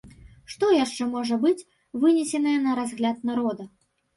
Што яшчэ можа быць вынесенае на разгляд народа?